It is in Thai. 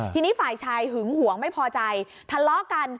ทีนี้ฝ่ายชายหึงหวงไม่พอใจทะเลาะกัน